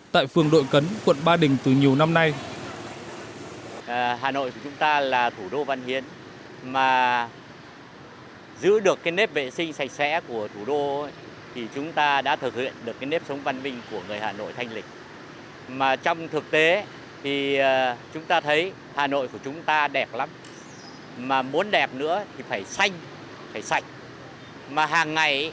hà nội đã trở thành nơi nơi cư tại phường đội cấn quận ba đình từ nhiều năm nay